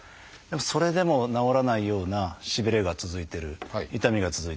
それでも治らないようなしびれが続いてる痛みが続いてる。